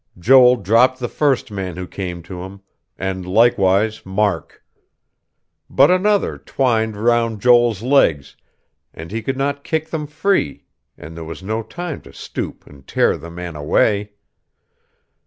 Joel dropped the first man who came to him; and likewise Mark. But another twined 'round Joel's legs, and he could not kick them free, and there was no time to stoop and tear the man away.